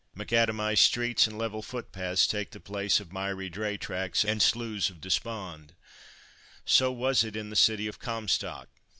Macadamised streets and level footpaths take the place of miry dray tracks and sloughs of despond. So was it in the city of Comstock.